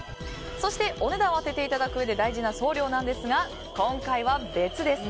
そしてお値段を当てていただくうえで大事な送料ですが、今回は別です。